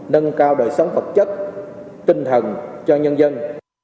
nâng cao đời sống vật chất tinh thần cho nhân dân